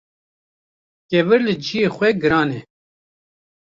Kevir li cihê xwe giran e